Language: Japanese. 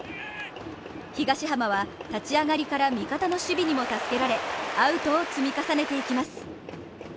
東浜は立ち上がりから味方の守備にも助けられアウトを積み重ねていきます。